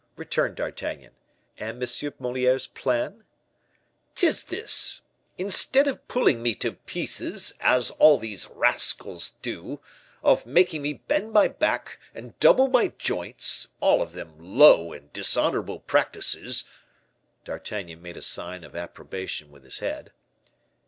returned D'Artagnan. "And M. Moliere's plan?" "'Tis this: instead of pulling me to pieces, as all these rascals do of making me bend my back, and double my joints all of them low and dishonorable practices " D'Artagnan made a sign of approbation with his head.